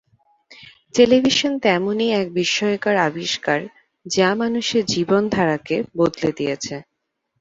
Television তেমনই এক বিস্ময়কর আবিষ্কার, যা মানুষের জীবনধারাকে বদলে দিয়েছে।